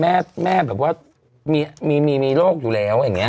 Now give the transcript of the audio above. แม่แบบว่ามีโรคอยู่แล้ว